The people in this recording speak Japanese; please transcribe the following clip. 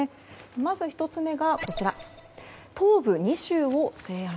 まず１つ目が、東部２州を制圧。